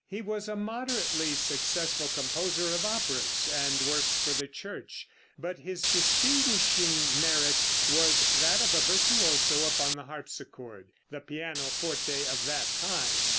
He was a moderately successful composer of operas and works for the Church, but his distinguishing merit was that of a virtuoso upon the harpsichord the pianoforte of that time.